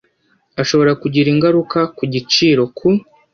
ashobora kugira ingaruka ku giciro ku